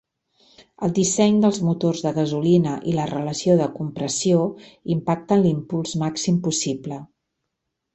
El disseny dels motors de gasolina i la relació de compressió impacten l'impuls màxim possible.